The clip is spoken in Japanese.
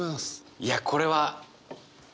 いやこれは。